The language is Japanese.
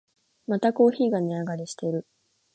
またコーヒーが値上がりしてる